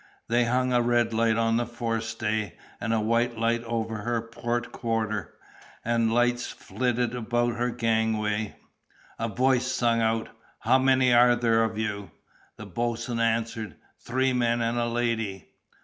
They hung a red light on the forestay and a white light over her port quarter, and lights flitted about her gangway. A voice sung out: "How many are there of you?" The boatswain answered: "Three men and a lady."